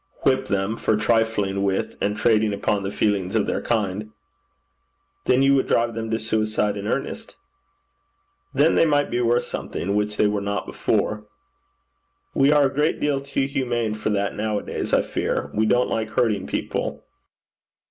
'Whip them, for trifling with and trading upon the feelings of their kind.' 'Then you would drive them to suicide in earnest.' 'Then they might be worth something, which they were not before.' 'We are a great deal too humane for that now a days, I fear. We don't like hurting people.'